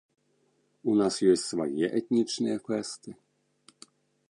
У нас ёсць свае этнічныя фэсты.